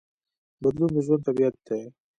بدلون د ژوند طبیعت دی.